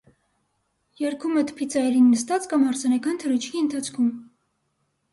Երգում է՝ թփի ծայրին նստած կամ հարսանեկան թռիչքի ընթացքում։